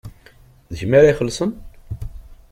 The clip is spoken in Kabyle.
D kemm ara ixellṣen?